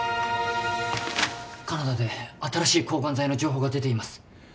カナダで新しい抗がん剤の情報が出ています。